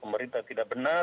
pemerintah tidak benar